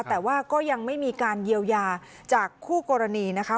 แต่ว่าก็ยังไม่มีการเยียวยาจากคู่กรณีนะคะ